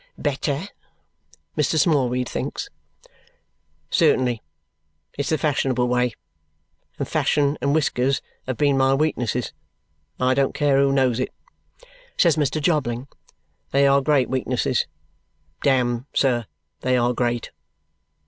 "Better," Mr. Smallweed thinks. "Certainly. It's the fashionable way; and fashion and whiskers have been my weaknesses, and I don't care who knows it," says Mr. Jobling. "They are great weaknesses Damme, sir, they are great.